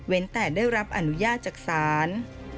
เว้นแต่ได้รับอนุญาตจักษาน